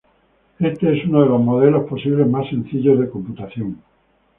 Este es uno de los modelos posibles más sencillos de computación.